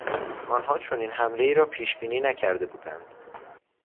آنها چنین حملهای را پیشبینی نکرده بودند.